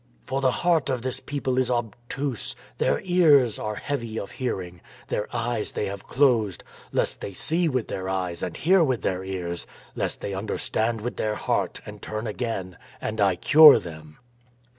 For the heart of this people is obtuse, Their ears are heavy of hearing. 350 FINISHING THE COURSE Their eyes they have closed, Lest they see with their eyes and hear with their ears, Lest they understand with their heart and turn again, and I cure them.'